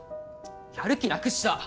やる気なくした。